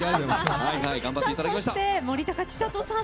そして、森高千里さん